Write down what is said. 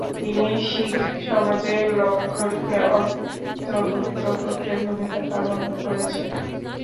তিনি শিখসমাজে লঙ্গরকে অন্তর্ভুক্ত করতে ভূমিকা পালন করেছেন।